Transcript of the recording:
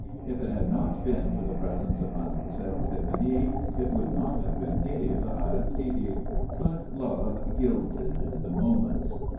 If it had not been for the presence of Mademoiselle Stéphanie, it would not have been gay for Aristide. But love gilded the moments.